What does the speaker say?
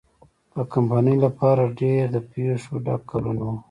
د کمپنۍ لپاره ډېر د پېښو ډک کلونه وو.